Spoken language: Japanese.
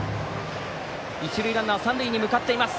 一塁ランナーは三塁に向かっています。